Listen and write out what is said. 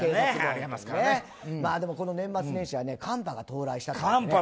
この年末年始は寒波が到来してね。